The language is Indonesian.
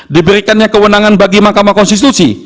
diberikannya kewenangan bagi mahkamah konstitusi